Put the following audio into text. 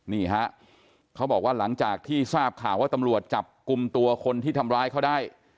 นี่ฮะเขาบอกว่าหลังจากที่ทราบข่าวว่าตำรวจจับกลุ่มตัวคนที่ทำร้ายเขาได้